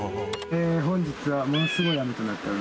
⁉本日はものすごい雨となっております。